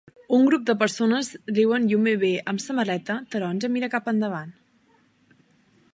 Un grup de persones riuen i un bebè amb samarreta taronja mira cap endavant.